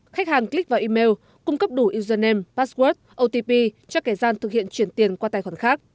khách hàng click vào email cung cấp đủ usernam password otp cho kẻ gian thực hiện chuyển tiền qua tài khoản khác